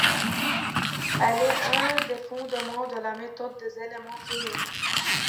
Elle est un des fondements de la méthode des éléments finis.